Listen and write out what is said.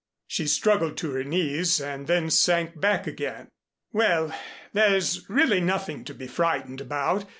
She struggled to her knees and then sank back again. "Well, there's really nothing to be frightened about.